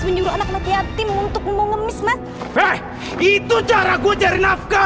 menyuruh anak anak yatim untuk mengemis mas itu cara gue cari nafkah